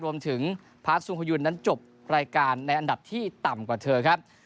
รวมถึงพาร์ทสุงฮยุนนั้นจบรายการในอันดับที่ต่ำกว่าเธอครับ